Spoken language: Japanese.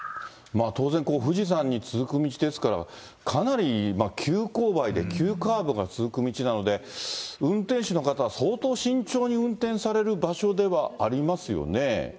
当然、ここ富士山に続く道ですから、かなり急こう配で急カーブが続く道なので、運転手の方は相当、慎重に運転される場所ではありますよね。